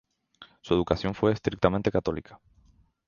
Su educación fue estrictamente católica.